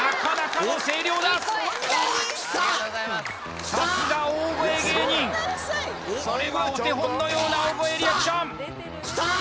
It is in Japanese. これはお手本のような大声リアクションああ